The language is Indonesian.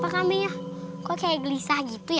hampir aku juga takut nih